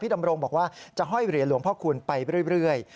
ดำรงบอกว่าจะห้อยเหรียญหลวงพ่อคูณไปเรื่อย